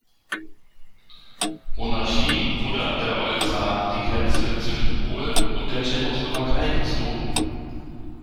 Monarchie wurde an der Olsa die Grenze zwischen Polen und der Tschechoslowakei gezogen.